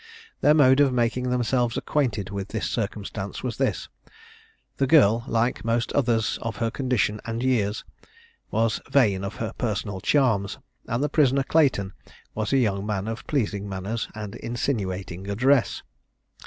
Their mode of making themselves acquainted with this circumstance was this: The girl, like most others of her condition and years, was vain of her personal charms, and the prisoner Clayton was a young man of pleasing manners and insinuating address.